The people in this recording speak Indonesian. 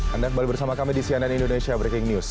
anda kembali bersama kami di cnn indonesia breaking news